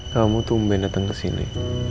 kamu tumbuh datang kesini